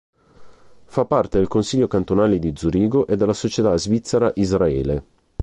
Fa parte del consiglio cantonale di Zurigo e della "Società Svizzera-Israele".